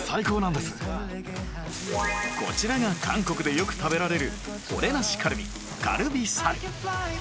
こちらが韓国でよく食べられる骨なしカルビカルビサル